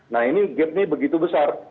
nah ini gapnya begitu besar